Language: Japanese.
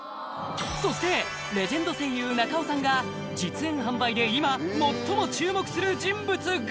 そしてレジェンド声優中尾さんが実演販売で今最も注目する人物が